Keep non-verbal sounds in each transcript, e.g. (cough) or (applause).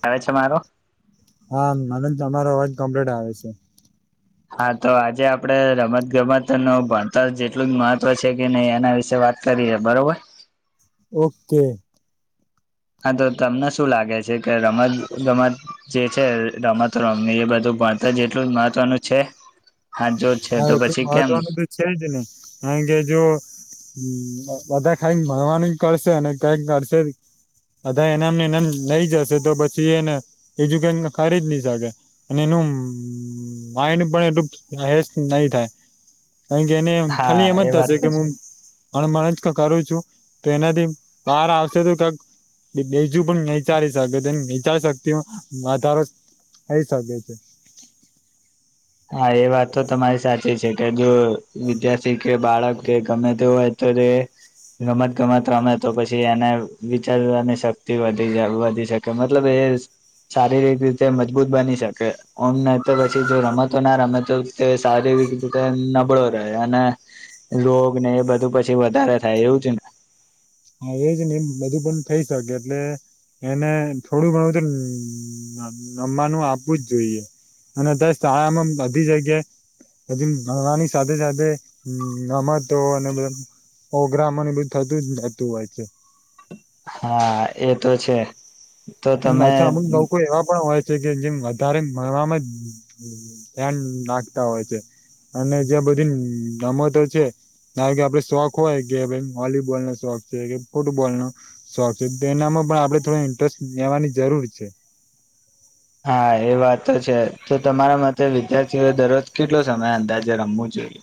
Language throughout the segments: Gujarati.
એ છે મારોું હા મને તમારો અવાજ કમ્પ્લીટ આવે છે. હા તો આજે આપડે રમત ગમત નું ભણતર જેટલું જ મહત્વ છે કે નહી એના વિશે વાત કરીએ બરોબર? ઓકે. હા તો તમને શું લાગે છે કે રમત ગમત જે છે રમતો રમવી એ બધું ભણતર જેટલું જ મહત્વનું છે? હા જો છે હા તો એટલું પછી કેમ મહત્વનું તો છે જ ને કારણ કે જો બધા ખાલી ભરવાનું કરશે અને કઈક કરશે અધા એનામને એનામ લઈ જશે તો પછી એને એજુકેશ (unintelligible) અને એનું મા એ પણ (unintelligible) નહી થાય કારણ કે એને હા ખાલી એમ જ એ વાત થશે તો છે કે હું અને મનેજ કરું છું તો એનાથી બહાર આવશે તો કક બીજું પણ વિચારી શકે વિચાર શક્તિમાં વધારો થઈ શકેે છે. હા એ વાત તો તમારી સાચી છે કે જો વિદ્યાર્થી કે બાળક કે ગમે તે હોય ત્યારે ગમત ગમત રમે તો પછી એને વિચારવાની શક્તિ વધી જ વધી શકે મતલબ એ શારીરિક રીતે મજબૂત બની શકે ઓમ નઈ તો પછી જો રમત ના રમે તો તે શારીરિક રીતે નબળો રહે અને રોગ ને એ બધું પછી વધારે થાય એવું છે ને હા એજ ને એમ બધું પણ થઈ શકે એટલે એને થોડું ઘણું તો અમ નમવાનું આપવું જ જોઈએ અને (unintelligible) બધી જગ્યાએ પછી ભણવાની સાથે સાથે રમતો અનેધ ઓગ્રામ ને બધું થતું જ થતું હોય છે હા એતો છે. તો તમે પાછા અમુક લોકો એવા પણ હોય છે કે જેમ વધારે મળવાવામાં ધ્યાન નાખતા હોય છે. અને જ્યાં બધી રમતો છે ના કે આપડે શોખ હોય કે ભાઈ વોલીબોલ નો શોખ છે કે ફૂટબોલનો શોખ છે એનામાં પણ આપડે થોડો ઇન્ટરેસ્ટ લેવાની જરૂર છે હા એ વાત તો છે તો તમારા મતે વિદ્યાર્થીઓએ દરરોજ કેટલો સમય અંદાજે રમવું જોઈએ.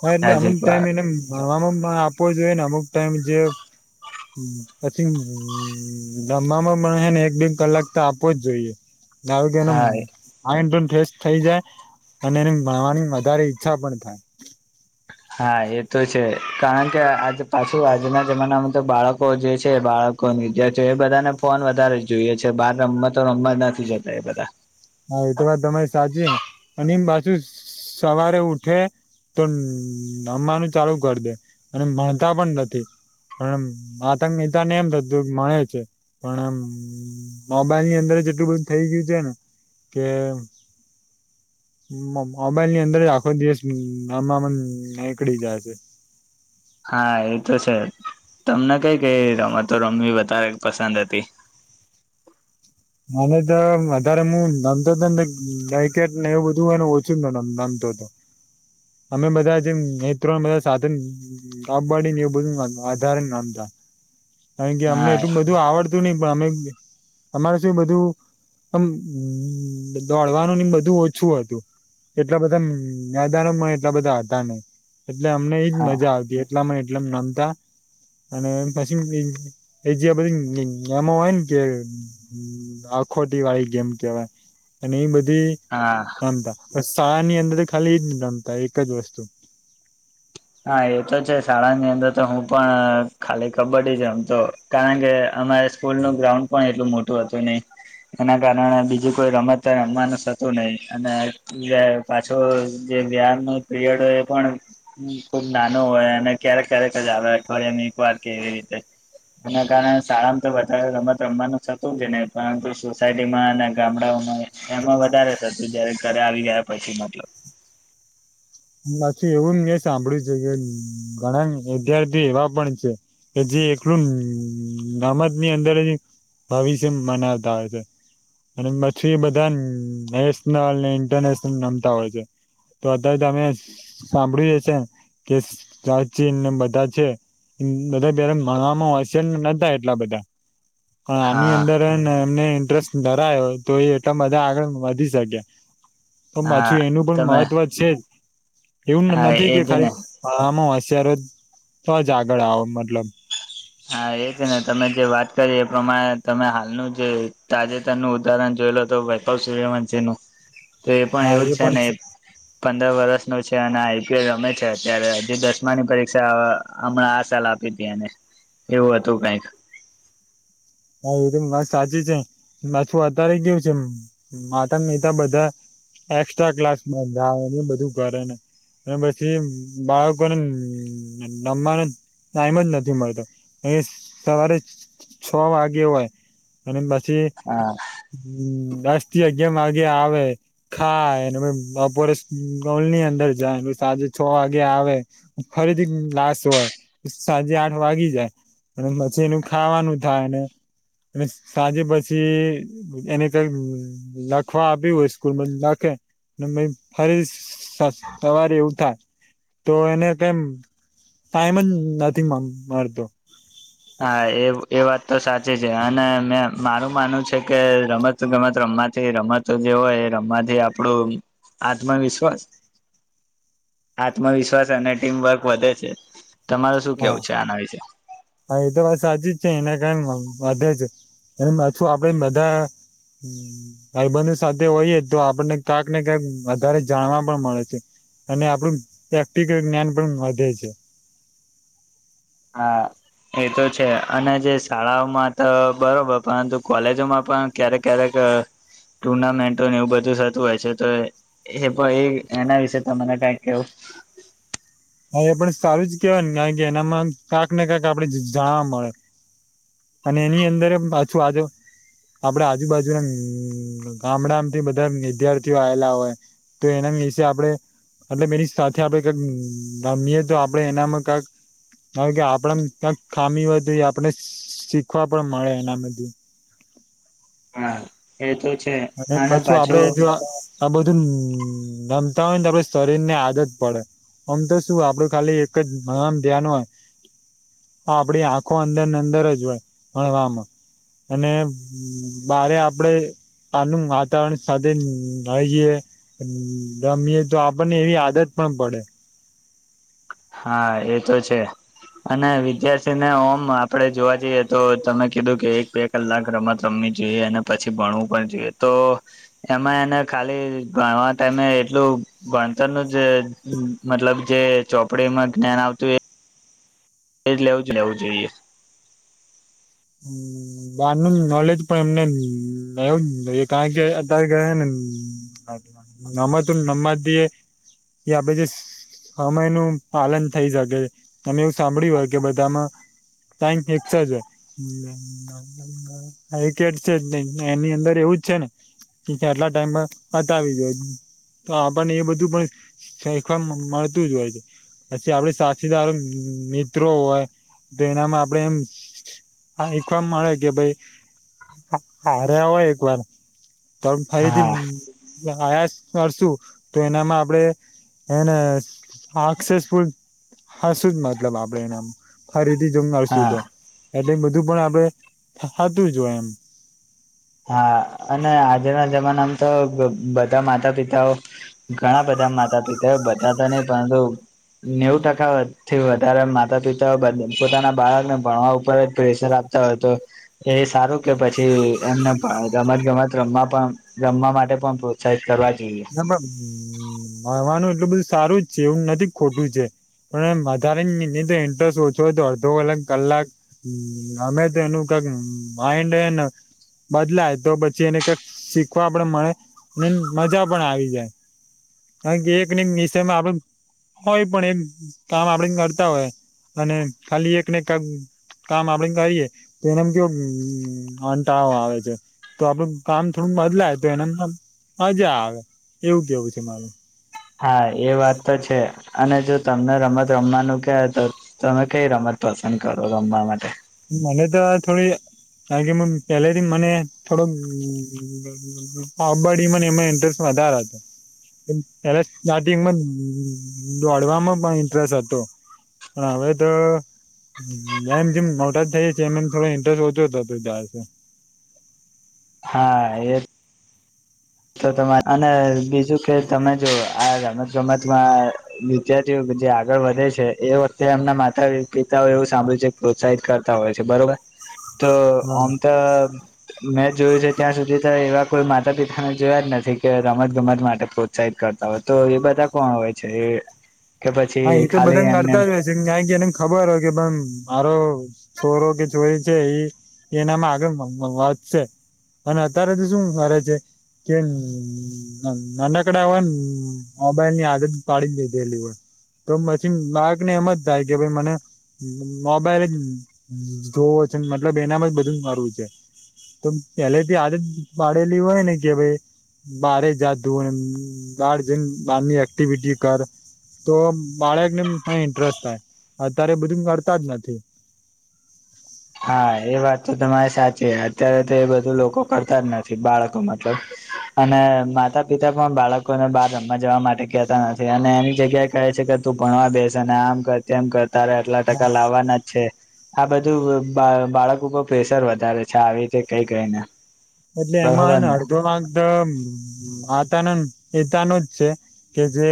હા એટલે અમુક સાજીક બાર ટાઈમ એને ભણવામાં પણ આપવો જોઈએ ને અમુક ટાઈમ જે પછી રમવામાં પણ હેને એક બે કલાક તો આપવો જ જોઈએ. નાવગેનું હા આ (unintelligible) ફ્રેશ થઈ જાય અને એને ભણવાની વધારે ઈચ્છા પણ થાય. હા એ તો છે કારણ કે આજે પાછું આજના જમાનામાં તો બાળકો જે છે બા એ બધાને ફોન વધારે જ જોઈએ છે બાર રમતતો રમવા નથી જતા એ બધા. હા એ તો વાત તમારી સાચી ને અને બાછુ સવારે ઉઠે તો નમવાનું ચાલુ કરી દે અને માણતા પણ નથી. હમ માતા પિતા ને એમ થતું હોય કે ભણે છે. પણ આમ મોબાઈલ ની અંદર જેટલું બધું થઇ ગયું છે ને કેમ? મોબાઈલ ની અંદર જ આખો દિવસ આમમન નીકળી જાય છે. (unintelligible) હા એ તો છે. તમને કઈ કઈ રમે તો રમી વધારે પસંદ હતી? (unintelligible) અને તો વધારે મુ નમતો તો ગાય કેટ ને એવું બધું હેને ઓછુંમ (unintelligible) દોધ- - અમે બધા જે નેત્રોને બધા સાધન કડીને એવું બધું આધાર નામતા- - કારણ કે અમને હા એટલું બધું આવડતું નહી- - પણ અમે અમારે શું બધું આમ દોડવાનું ને બધું ઓછું હતું. એટલા બધા મેદાનોમાં એટલા બધા હતા ની એટલે અમને એજ હા મજા આવતી હતી. એટલા એટલા નમતા- - અને પછી એ જે બધી એમ હોય ને કે- - હ આખોટી વાળી ગેમ કેવાય અને એ બધી હા નામતા- - બ શાળા ની અંદર તો ખાલી જ રમતા એક જ વસ્તુ. હા એ તો છે શાળાની અંદર તો હું પણ ખાલી કબડ્ડી જ રમતો કારણ કે- - અમારે સ્કૂલ નું ગ્રાઉન્ડ પણ એટલું મોટું હતું નહી. એના કારણે બીજી કોઈ રમત રમવાનું થતું નહી અને પાછો- - વ્યાન ન પીરિયડ હોય એ પણ- - ખુબ નાનું હોય અને ક્યારેક ક્યારેક જ આવે અઠવાડિયા એ એક વાર કેવી રીતે. એના કારણે શાળામાં તો વધારે રમત રમવાનું થતું જ નહી પરંતુ સોસાયટીમાં અને ગામડામાં- - એમાં વધારે થતું જયારે ઘરે આવી ગયા પછી મતલબ- - પછી એવું મે સાંભળ્યું છે કે ઘણા વિદ્યાર્થી એવા પણ છે- - કે જે એકલું ગમત ની અંદર- - ભવિષ્યમ મનાવતા હોય છે. અને પછી એ બધા નેશનલ ને ઇન્ટરનેશનલ રમતા હોય છે. તો અધ્યારે અમે સાંભળ્યું હ છે કેચી બધા છે. બધા પ્યારે ભણવામાં હશે ને નતા એટલા બધા. પણ આની હા અંદર એમને- - ઇન્ટરેસ્ટ નરા તો એ એટલા બધા આગળ વધી શકે્યા- - તો હા માછું એનું પણ તમે મહત્વ છે જ- - એવું હા નથી કે એજ ને ખાલી આમ હશિયાર તો જ આગળ આવો મતલબ- - હા એ છે ને તમે જે વાત- - એ પ્રમાણે તમે હાલનું જે તાજેતરનું ઉદાહરણ જોયે લો તો વૈભવ સૂર્યવંશ- - તો એ પણ એવું જ છે ને પંદર વરષ ન છે અને- - રમે છે અત્યારે જે દસમાની પરીક્ષા હમણાં આ સાલ આપી હતી. એવું હતું કઈક. હા એ તો વાત સાચી છે બું અત્યારે કેવું છે માતા મિતા બધા? એક્સ્ટ્રા ક્લાસમાંંધાવ એ બધું કરે ને. અને પછી બાળકોને રમવાનું. ટાઈમ જ નથી મળતો અ સવારે- - છ વાગે હોય અને પછી હા આજથી અગયા ગયાર માર્ગે આવે ખાયને બપોર મોલની અંદર જાય એ સાંજે છ વાગે આવે ફરીથી લાશ હોય સાંજે આઠ વાગી જાય અને પછી એનું ખાવાનું થાય ને અને સાંજે પછી એની લખવા આપ્યું હોય સ્કૂલમાં લખે ફરી સવારે એવું થાય તો એને કેમ ટાઈમ જ નથી મળતો હા એ એ વાત તો સાચી છે, અને મે મારું માનવું છે, કે રમત ગમત રમ માથી રમત જે હોય રમાથી આપડું આત્મવિશ્વાસ આત્મવિશ્વાસ અને ટીમવર્ક વધે છે. તમારે શું કેવું છે આના વિશે? હા એ તો વા સાચી જ છે, એના કારણે વધે છે, અને પાછું આપડે બધા ભાઈ બંધ સાથે હોયએ તો આપણને ક્યાંક ને ક્યાંક વધારે જાણવા પણ મળે છે. અને આપણું વયતિક જ્ઞાન પણ વધે છે. હા. એ તો છે, અને જે શાળાઓમાં તો બરોબર પરંતુ કોલેજોમાં પણ ક્યારેક ક્યારેક (unintelligible) ટુર્નામેન્ટોને એવું બધું થતું હોય છે, તો એ એ એના વિશેને કાય કેવું (inaudible) હા એ પણ સારું જ કેવાય ને કારણ કે એનામાં ક્યાંક ને ક્યાંક આપડે જાણવા મળે અને એની અંદર પાછું આજો આપડે આજુબાજુના ગામણાથી બધા વિદ્યાર્થીઓ આવેલા હોય તો એના વિશેે આપડે એટલે એની સાથે આપડે કઈક ગમીએે તો આપડે એનામાં કંક કારણ કે આપણે ક્યાંક ખામી હોય તો એ આપણે શીખવા પણ મળે એનામાંથી હ હા એ તો અને એમ પાછું આપડે જો આ બધું ગમતા હોય ને આપડું શરીરની આદત પડે આમ તો શું આપડું ખાલી એક જ આમ ધ્યાન હોય હા આપડી આંખો અંદરને અંદર જ હોય ભણવામાં અને બારે આપડે આનુ વાતાવરણ સાધે થયે રમીએ તો આપણને એવી આદત પણ પડે હા એ તો છે. અને વિદ્યાર્થીને ઓમ આપડે જોવા જઈએ તો તમે કીધું કે એક બે કલાક રમત રમ વી જોઈએ અને પછી ભણવું પણ જોઈએ તો એમાં એને ખાલી ભણવા ટાઈમે એટલું ખુબ ભણતરનું જે મતલબ જે ચોપડીમાં જ્ઞાન આવતું એ એ જ લેવું જ લેવું જોઈએ બારનું નોલેજ પણ એમને એવું કારણ કે તારે ઘરે હે ને નમતું નમત દીએ એ આપડે જે સમયનું પાલન થઈ શકે અમે એવું સાંભળ્યું હોય કે બધામાં ટાઈમ એકક્સા જ હોય કે જ છે, એની અંદર એવું જ છે, ને કેમકે આટલા ટાઈમમા હતા આવી ગયો તો આપણને એ બધું પણ શીખવા મળતું જ હોય છે. પછી આપડે સાથીદારો મિત્રો હોય તો એનામાં આપડે એમ હા એકવાર મળે કે ભાઈ હારયા હોય એક વાર તો ફરીથી હા પ્રયાસ કરશું તો એનામાં આપડે એને હક્સેસફુલ હશું જ મતલબ આપડે એનામ ફરી થી જંગઆવ સુ હા તો એટલે બધું પણ આપડે હ હતું જોય એમ. હા, અને આજના જમાનામ તો બધા માતા-પિતાઓ ઘણા બ બધા માતા-પિતાઓ બધા તો નઈ પરંતુ નેવુ ટકાથી વધારે માતા-પિતાઓ પોતાના બાળકને ભણવા ઉપર જ પ્રેશર આપ તા હોય તો એ સારું કે પછી એમને રમત-ગમત રમવા પણ રમવા માટે પણ પ્રોત્સાહિત કરવા જોઈએ ના, ભણવાનું એટલું બધું સારું જ છે. એવું નથી ખોટું છે. પણ એમ વધારે ની તો ઇન્ટરેસ્ટ ઓછો હોય તો અડધો કલાક-કલાક. અમે તો એનું માઈન્ડ હેન બદલાય તો પછી એને કંઈક શીખવા પણ મળે, ને મજા પણ આવી જાય. કારણ કે એક ને એક વિષયમાં આપડે હોય પણ એક કામ આપડે કરતા હોય. અને ખાલી એક ને એક કામ આપડે કરીએ તો એનામ કેવુ હંટાળો આવે છે. તો આપડું કામ થોડું બદલાય તો એને મજા આવે. એવું કેવું છે મારું. હા, એ વાત તો છે અને જો તમને રમત રમવાનું કે તો તમે કઈ રમત પસંદ કરો ગમવા માટે. મને તો થોડી કારણ કે મમ પેલેથી મને થોડોક કબ્બડી મને એમાં ઇન્ટરેસ્ટ વધાર હતો. પેલા સ્ટાર્ટિંગમાં દોડવામાં પણ ઇન્ટરેસ્ટ હતો. પણ હવે તો એમ જેમ ટા થઈ છીએ એમ એમ થોડો ઇન્ટરેસ્ટ ઓછો થતો જાય છે. હા, એ તો તમાર અન બીજું કે તમે જો આ રમત-ગમતમાં વિદ્યાર્થીઓ જે આગળ વધે છે એ વખતે એમના માતાઓ -પિતાઓ એવું સાંભળ્યું છે, પ્રોત્સાહિત કરતા હોય છે બરોબર. તો હા આમ તો મે જોયું છે, ત્યાં સુધી તો એવા કોઈ માતા-પિતા જોયા જ નથી, કે રમત-ગમત માટે પ્રોત્સાહિત કરતા હોય તો એ બધા કોણ હોય છે એ કે પછી હા, એ તો ખાલી બધાન એમને નડતા જ હોય છે. કારણ કે એને ખબર હોય કે મારો છોરો કે છોરી છે એ એનામાં આગળ વધશે. અને અત્યારે તો શું કરે છે. કે નાનાકડા હોયન મોબાઈલની આદત પાડી જ દીધેલી હોય. તો પછી બાળકને એમ જ થાય કે ભઈ મને મોબાઈલ જ જોવો છે. મતલબ એનામાં જ બધું મરવું છે. તો પેલેથી આદત પાડેલી હોય ને કે ભઈ બારે જાતું એમ બાર જઈન બહારની એક્ટિવિટી કર. તો બાળકને પણ ઇન્ટરેસ્ટ થાય. અત્યારે બધું કરતા જ નથી. સાચે, અત્યારે તો એ બધું લોકો કરતા જ નથી બાળકો મતલબ અને માતા-પિતા બાળકોને બાર રમવા જવા માટે કહેતા નથી. અને એની જગ્યાએ કહે છે કે તું ભણવા બેસ અને આમ તેમ કર તારે આટલા ટકા લાવાના જ છે. આ બધું બા બાળકો પર પ્રેશર વધારે છે. આવી રીતે કઈ કઈ ને. એટલે એમાં હેને અડધો વાક માતાનોને પિતાનો જ છે. કે જે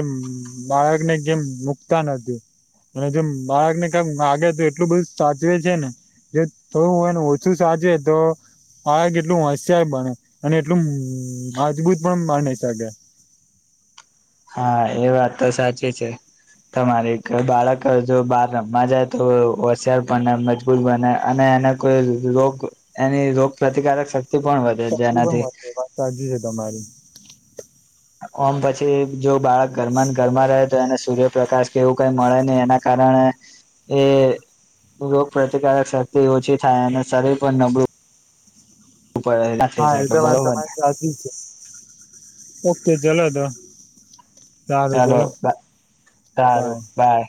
બાળકને કેમ મુકતા નથી. અને જો મ બાળકને કાંઈક વાગે તો એટલું બધું સાચવે છે ને જો થોડું હોયને ઓછું સાચવે તો બાળક કેટલું હોશ યાર બને. અને એટલું મજબૂત પણ બની શકે. હા, એ વાત તો સાચી છે. તમારી કે બાળક જો બહાર રમવા જાય તો હોશિયાર બને, મજબૂત બને, અને અને કોઈ રોગ એની રોગ પ્રતિકારક શ થી પણ વધે શક્તિ પણ જેનાથી વધે વાત સાચી છે તમારી ઓમ પછી જો બાળક ઘરમાં ઘરમાં રહે એ સૂર્યપ્રકાશ કેવું કઈ મળે નહી એના કારણે એ રોગ પ્રતિકારક શક્તિ ઓછી થાય અને શરીર પણ નબળું પડે ના થઈ હા એ શકે તો વાત બરોબર ને તમારી સાચી છે ઓકે ચલો તો સારું ચાલો ચલો સારું બાય